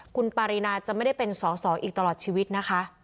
คุณปารีนาจะไม่ได้เป็นสอสออีกตลอดชีวิตนะคะ